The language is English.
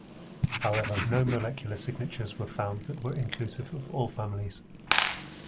However, no molecular signatures were found that were inclusive of all families.